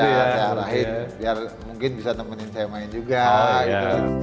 biar mungkin bisa temenin saya main juga